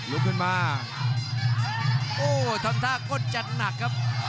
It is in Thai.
โอ้ทำท่าก้นจันทร์หนักครับ